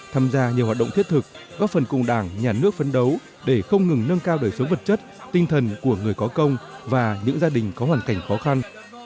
tham gia nhiều hoạt động thiết thực góp phần cùng đảng nhà nước phấn đấu để không ngừng nâng cao đời sống vật chất tinh thần của người có công và những gia đình có hoàn cảnh khó khăn